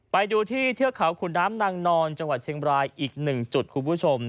ไปดูที่เทือกเขาขุนน้ำนางนอนจังหวัดเชียงบรายอีกหนึ่งจุดคุณผู้ชม